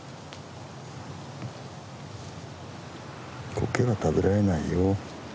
コケは食べられないよ。